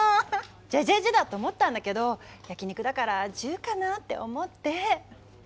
「じぇじぇじぇ」だと思ったんだけど焼き肉だから「じゅ」かなって思って。